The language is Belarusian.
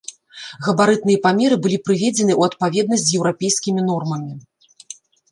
Габарытныя памеры былі прыведзены ў адпаведнасць з еўрапейскімі нормамі.